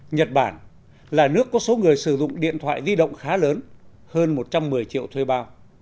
nhật bản là nước có số người sử dụng điện thoại di động khá lớn hơn một trăm một mươi triệu thuê bao